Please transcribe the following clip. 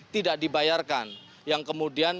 tidak dibayarkan yang kemudian